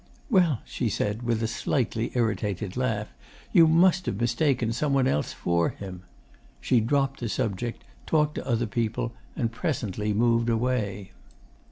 "Well," she said with a slightly irritated laugh, "you must have mistaken some one else for him." She dropped the subject, talked to other people, and presently moved away.